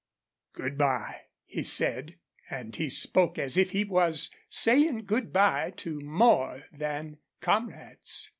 "Good by," he said, and he spoke as if he was saying good by to more than comrades.